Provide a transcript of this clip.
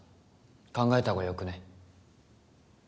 考えた方がよくね？